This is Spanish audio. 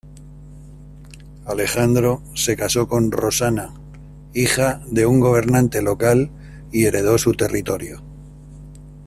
Alejandro se casó con Roxana, hija de un gobernante local, y heredó su territorio.